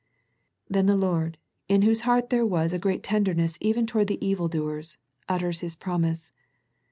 Then the Lord, in Whose heart there was a great tenderness ,even toward thie evil doers, utters His promise.